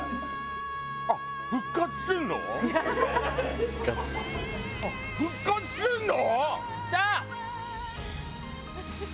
「復活」「あっ復活するの？」